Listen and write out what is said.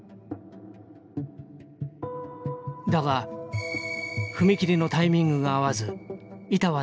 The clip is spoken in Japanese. だが踏み切りのタイミングが合わず板は斜めを向いている。